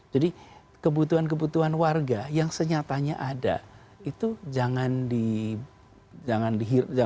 jadi kebutuhan kebutuhan warga yang senyatanya ada itu jangan di ignore tidak dipedulikan